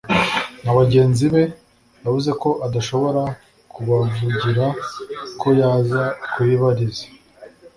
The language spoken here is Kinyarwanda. na bagenzi be yavuze ko adashobora kubavugira ko yaza kubibariza